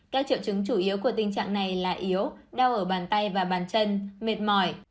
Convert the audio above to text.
các triệu chứng chủ yếu của tình trạng này là yếu đau ở bàn tay và bàn chân mệt mỏi